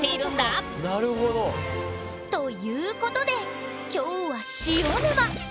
なるほど。ということできょうは「塩沼」。